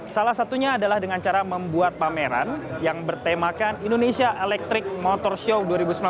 salah satunya adalah dengan cara membuat pameran yang bertemakan indonesia electric motor show dua ribu sembilan belas